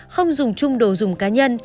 không dùng chung đồ dùng cá nhân